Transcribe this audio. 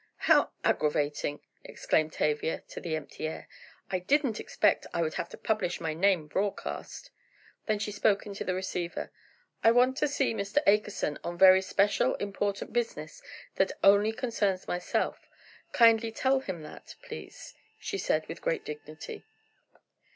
"How aggravating!" exclaimed Tavia to the empty air, "I didn't expect I would have to publish my name broadcast." Then she spoke into the receiver: "I want to see Mr. Akerson on very special, important business that only concerns myself; kindly tell him that, please," she said, with great dignity.